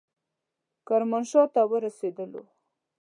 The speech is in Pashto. کرمانشاه ته ورسېدلو.